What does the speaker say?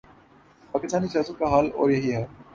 پاکستانی سیاست کا حال اور یہی ہے۔